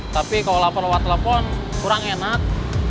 tapi kalau lapor lewat telepon kurang enak